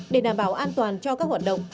để đảm bảo an toàn cho các hoạt động